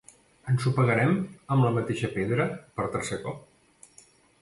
¿Ensopegarem amb la mateixa pedra per tercer cop?